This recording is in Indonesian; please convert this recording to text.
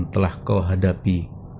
telah kau hadapi